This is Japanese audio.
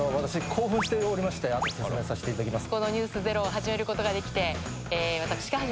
しておりまして後で説明させていただきます。